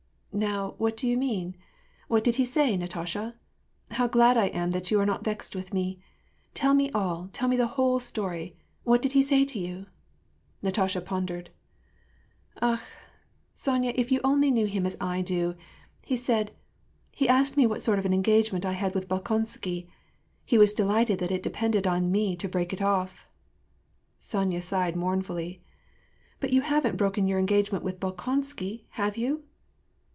" Now, what do you mean ? What did he say, Natasha ? How glad I am that you are not vexed with me ! Tell me all, tell me the whole story. What did he say to you ?" Natasha pondered, —" Akh ! Sonya, if you only knew him as I do — He said — he asked me what sort of an engagement I had with Bolkon sky. He was delighted that it depended on me to break it off." Sonya sighed mournfully, —" But you haven't broken your engagement with Bolkonsky, have you